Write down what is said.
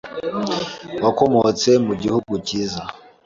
Wakomotse mu gihugu cyiza